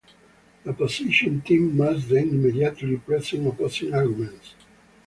The opposition team must then immediately present opposing arguments.